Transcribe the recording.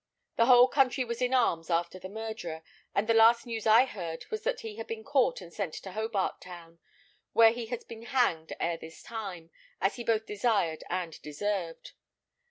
The whole country was in arms after the murderer, and the last news I heard was that he had been caught and sent to Hobart Town, where he has been hanged ere this time, as he both desired and deserved.